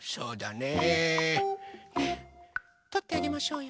ねえとってあげましょうよ。